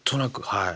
はい。